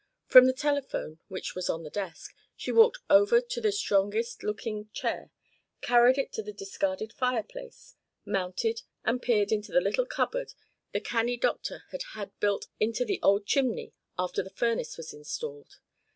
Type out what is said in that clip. From the telephone, which was on the desk, she walked over to the strongest looking chair, carried it to the discarded fireplace, mounted and peered into the little cupboard the canny doctor had had built into the old chimney after the furnace was installed.